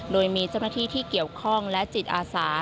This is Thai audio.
โดยมีเจ้าหน้าที่ที่เกี่ยวข้องและจิตอาสา